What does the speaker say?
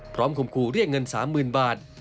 คมคู่เรียกเงิน๓๐๐๐บาท